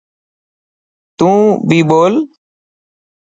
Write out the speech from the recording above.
تون بي ٻول.